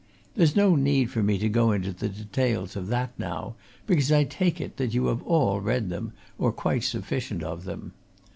There's no need for me to go into the details of that now, because I take it that you have all read them, or quite sufficient of them.